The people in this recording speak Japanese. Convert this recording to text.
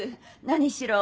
何しろ